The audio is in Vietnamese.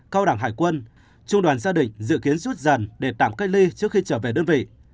cao đảng hải quân trung đoàn gia đình dự kiến rút dần để tạm cách ly trước khi trở về đơn vị